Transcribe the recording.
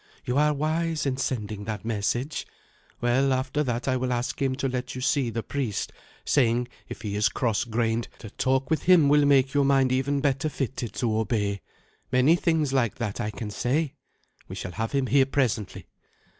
You are wise in sending that message. Well, after that I will ask him to let you see the priest, saying, if he is cross grained, that a talk with him will make your mind even better fitted to obey. Many things like that I can say. We shall have him here presently."